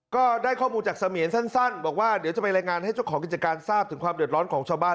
ก็ได้ข้อมูลจากเสมียนสั้นบอกว่าเดี๋ยวจะไปรายงานให้เจ้าของกิจการทราบถึงความเดือดร้อนของชาวบ้าน